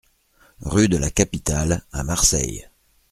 Rue de la Capitale à Marseille